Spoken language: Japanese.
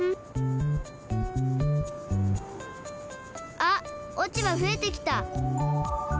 あっ落ち葉ふえてきた。